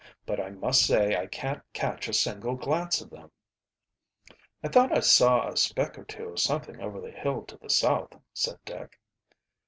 "But I must say I can't catch a single glance of them." "I thought I saw a speck or two of something over the hill to the south," said Dick.